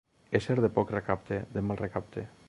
Ésser de poc recapte, de mal recapte.